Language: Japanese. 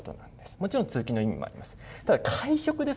もちろん、通気の意味もあります。